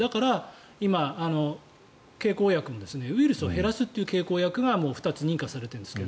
だから今、経口薬もウイルスを減らすという経口薬が２つ認可されているんですが。